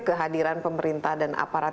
kehadiran pemerintah dan aparat